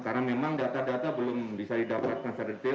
karena memang data data belum bisa didapatkan secara detail